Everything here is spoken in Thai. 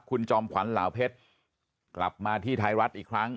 คุณจอมขวัญเหล่าเพชรกลับมาที่ไทยรัฐอีกครั้ง